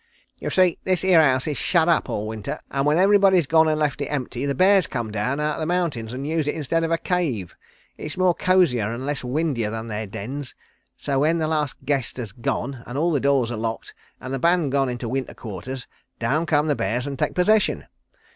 "You see this here house is shut up all winter, and when everybody's gone and left it empty the bears come down out of the mountains and use it instead of a cave. It's more cosier and less windier than their dens. So when the last guest has gone, and all the doors are locked, and the band gone into winter quarters, down come the bears and take possession.